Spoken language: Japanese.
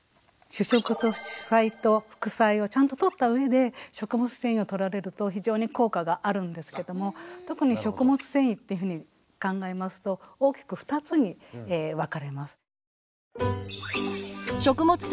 主食と主菜と副菜をちゃんととったうえで食物繊維をとられると非常に効果があるんですけども特に食物繊維っていうふうに考えますと大きく２つに分かれます。